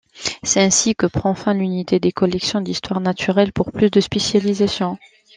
C'est ainsi que prend fin l'unité des collections d'histoire naturelle pour plus de spécialisation.